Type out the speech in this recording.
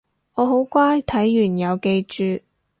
我好乖睇完有記住